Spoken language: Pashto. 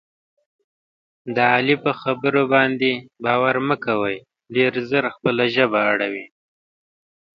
د علي په خبرو باندې باور مه کوئ. ډېر زر خپله ژبه اړوي.